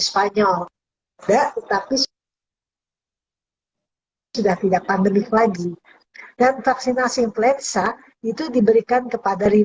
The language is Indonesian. spanyol tidak tetapi sudah tidak pandemik lagi dan vaksinasi influenza itu diberikan kepada